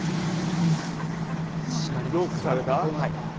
ロックされた。